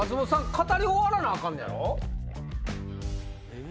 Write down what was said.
語り終わらなアカンねやろ？